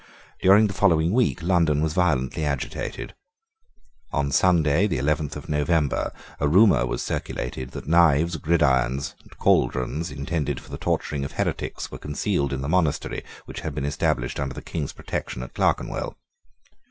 During the following week London was violently agitated. On Sunday, the eleventh of November, a rumour was circulated that knives, gridirons, and caldrons, intended for the torturing of heretics, were concealed in the monastery which had been established under the King's protection at Clerkenwell.